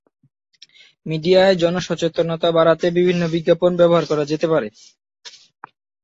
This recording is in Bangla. মিডিয়ায় জনসচেতনতা বাড়াতে বিভিন্ন বিজ্ঞাপন ব্যবহার করা যেতে পারে।